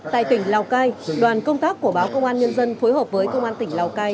tại tỉnh lào cai đoàn công tác của báo công an nhân dân phối hợp với công an tỉnh lào cai